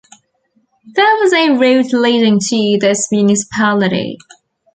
There was a road leading to this municipality.